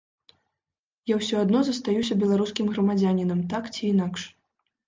Я ўсё адно застаюся беларускім грамадзянінам так ці інакш.